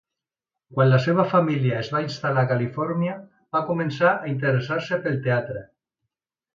Quan la seva família es va instal·lar a Califòrnia, va començar a interessar-se pel teatre.